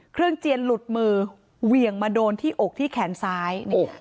เจียนหลุดมือเหวี่ยงมาโดนที่อกที่แขนซ้าย